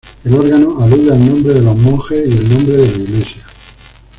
El órgano alude al nombre de los monjes y el nombre de la iglesia.